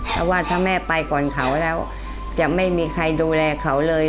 เพราะว่าถ้าแม่ไปก่อนเขาแล้วจะไม่มีใครดูแลเขาเลย